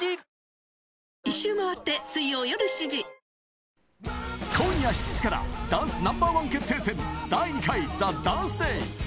これ、今夜７時から、ダンスＮｏ．１決定戦、第２回ＴＨＥＤＡＮＣＥＤＡＹ。